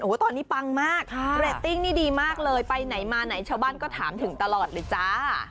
ตอนนี้ปังมากเรตติ้งนี่ดีมากเลยไปไหนมาไหนชาวบ้านก็ถามถึงตลอดเลยจ้า